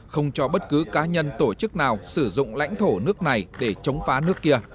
không cho bất cứ cá nhân tổ chức nào sử dụng lãnh thổ nước này để chống phá nước kia